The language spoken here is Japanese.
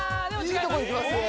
いいとこいきますね。